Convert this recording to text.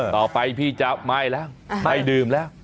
ต่อไปพี่จะไม่แล้วไม่ดื่มแล้ว